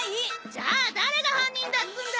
じゃあ誰が犯人だっつうんだ！